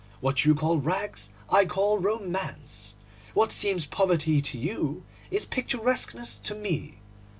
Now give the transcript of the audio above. What you call rags I call romance. What seems poverty to you is picturesqueness to me.